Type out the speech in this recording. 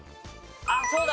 あっそうだ。